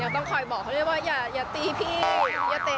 ยังต้องคอยบอกเขาเรียกว่าอย่าตีพี่อย่าเตะพี่